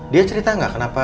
dia cerita nggak kenapa